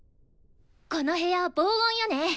この部屋防音よね？